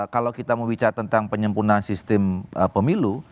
kalau kita mau bicara tentang penyempurnaan sistem pemilu